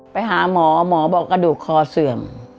ไปหาหมอหมอบอกกระดูกคอเสื่อม